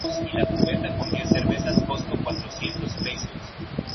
Suele haber gran afluencia de visitantes y turistas por estas fechas.